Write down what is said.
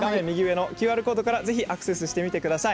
ＱＲコードからぜひアクセスしてみてください。